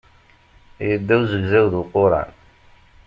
Yedda uzegzaw d uquran.